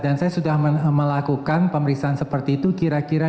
dan saya telah melakukan pemeriksaan pasca kematian